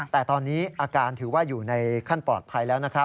แต่ตอนนี้อาการถือว่าอยู่ในขั้นปลอดภัยแล้วนะครับ